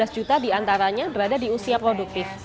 tiga belas juta diantaranya berada di usia produktif